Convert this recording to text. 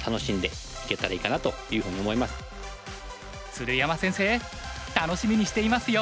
鶴山先生楽しみにしていますよ！